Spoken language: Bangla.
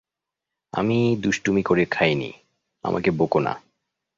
আমিই দুষ্টুমি করে খাই নি, আমাকে বকো না।